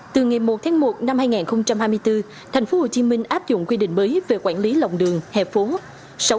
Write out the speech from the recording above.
từ ngày một tháng một năm hai nghìn hai mươi bốn tp hcm áp dụng quy định mới về quản lý lòng đường hẹp phố